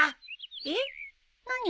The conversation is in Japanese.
えっ何が？